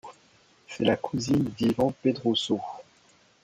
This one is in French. C'est la cousine d'Iván Pedroso.